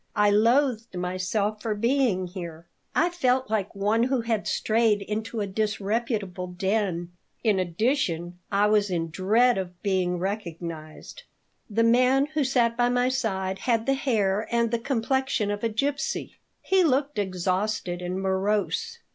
I loathed myself for being here. I felt like one who had strayed into a disreputable den. In addition, I was in dread of being recognized. The man who sat by my side had the hair and the complexion of a gipsy. He looked exhausted and morose.